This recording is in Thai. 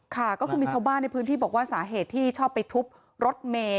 ค่ะก็คือมีชาวบ้านในพื้นที่บอกว่าสาเหตุที่ชอบไปทุบรถเมย์